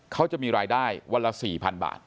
เขาจะมีรายได้วันละ๔๐๐๐บาท